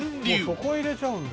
もうそこ入れちゃうんだ。